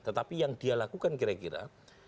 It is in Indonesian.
tetapi yang dia lakukan kira kira